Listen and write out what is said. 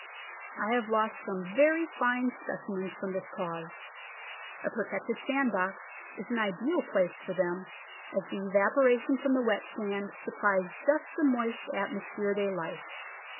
I have lost some very fine specimens from this cause. A protected sand box is an ideal place for them, as the evaporation from the wet sand supplies just the moist atmosphere they like.